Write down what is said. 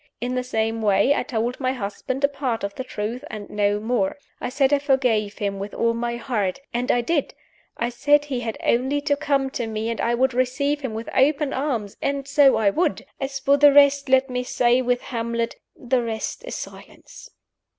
In the same way, I told my husband a part of the truth, and no more. I said I forgave him with all my heart and I did! I said he had only to come to me, and I would receive him with open arms and so I would! As for the rest, let me say with Hamlet "The rest is silence."